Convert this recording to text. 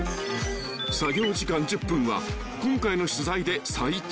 ［作業時間１０分は今回の取材で最長］